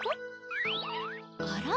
あら？